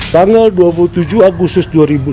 tanggal dua puluh tujuh agustus dua ribu delapan belas